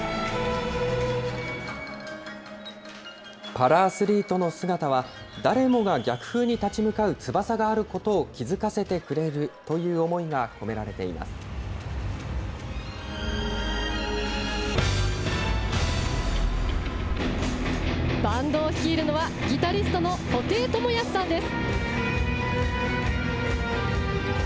パラアスリートの姿は、誰もが逆風に立ち向かう翼があることを気付かせてくれるという思バンドを率いるのは、ギタリストの布袋寅泰さんです。